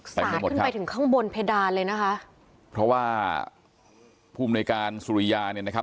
ขึ้นไปถึงข้างบนเพดานเลยนะคะเพราะว่าภูมิในการสุริยาเนี่ยนะครับ